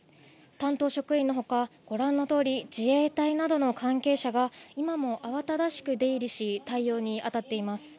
担当職員のほか、ご覧のとおり自衛隊などの関係者が今も慌ただしく出入りし対応に当たっています。